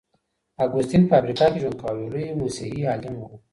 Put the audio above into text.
اګوستين په افریقا کي ژوند کاوه او يو لوی مسيحي عالم و.